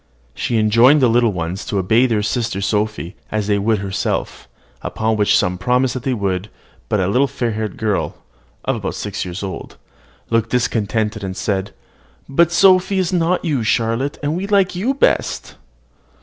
She enjoined to the little ones to obey their sister Sophy as they would herself, upon which some promised that they would; but a little fair haired girl, about six years old, looked discontented, and said, "But Sophy is not you, Charlotte; and we like you best."